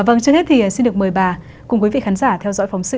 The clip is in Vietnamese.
vâng trước hết thì xin được mời bà cùng quý vị khán giả theo dõi phóng sự